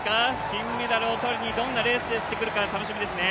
金メダルを取りに、どんなレースをしてくるか、楽しみですね。